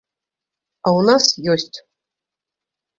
А ў нас ёсць!